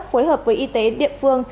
phối hợp với y tế địa phương